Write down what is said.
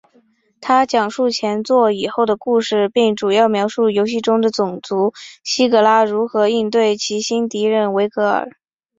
它讲述前作以后的故事并主要描述游戏中的种族希格拉如何应对其新敌人维格尔。